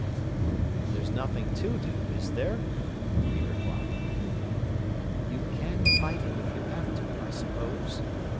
"There's nothing to do, is there?" he replied. "You can fight him if you have to, I suppose?"